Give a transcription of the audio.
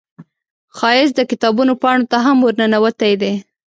ښایست د کتابونو پاڼو ته هم ورننوتی دی